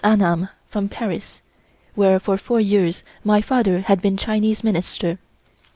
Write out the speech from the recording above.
"Annam" from Paris, where for four years my father had been Chinese Minister.